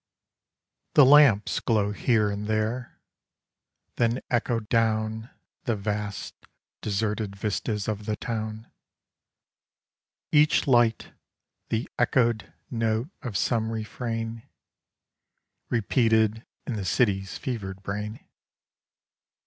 RAG TIME. HE lamps glow here and there, then echo down The vast deserted vistas of the town :— Each light the echo'd note of some refrain Repeated in the city's fevered brain.